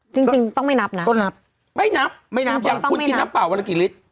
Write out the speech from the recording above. จริงต้องไม่นับนะไม่นับจริงคุณกินน้ำเปล่าวันละกี่ลิตร